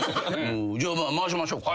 じゃあ回しましょうか。